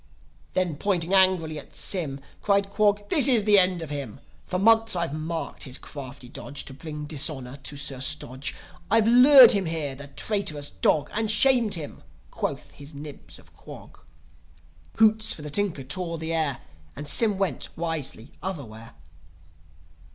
Then pointing angrily at Sym, Cried Quog, "This is the end of him! For months I've marked his crafty dodge, To bring dishonour to Sir Stodge. I've lured him here, the traitrous dog, And shamed him!" quoth his Nibs of Quog. Hoots for the Tinker tore the air, As Sym went, wisely, otherwhere.